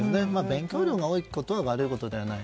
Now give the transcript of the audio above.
勉強量が多いことは悪いことではない。